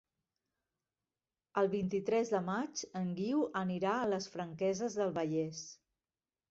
El vint-i-tres de maig en Guiu anirà a les Franqueses del Vallès.